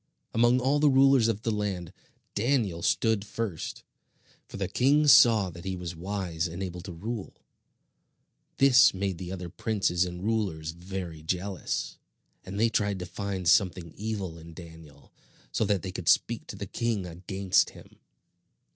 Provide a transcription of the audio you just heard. Among all the rulers over the land, Daniel stood first, for the king saw that he was wise and able to rule. This made the other princes and rulers very jealous, and they tried to find something evil in Daniel, so that they could speak to the king against him.